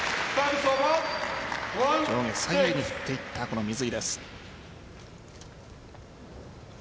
上下左右に振っていた水井です。